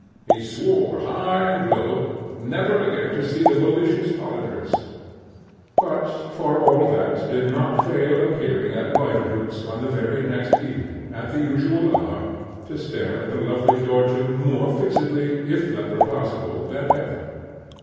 He swore, high and low, never again to see the malicious Hollandress; but, for all that, did not fail appearing at Leuwenhock's on the very next evening, at the usual hour, to stare at the lovely Dörtje more fixedly, if that were possible, than ever.